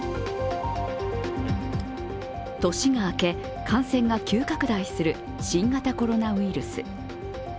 年が明け、感染が急拡大する新型コロナウイルス。